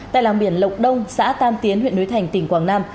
tại làng biển lộc đông xã tam tiến huyện núi thành tỉnh quảng nam